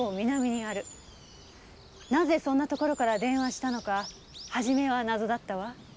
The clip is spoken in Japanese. なぜそんなところから電話したのか初めは謎だったわ。